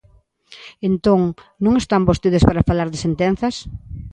Entón, non están vostedes para falar de sentenzas.